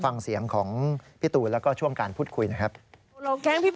ฟังเสียงของพี่ตูนแล้วก็ช่วงการพูดคุยหน่อยครับ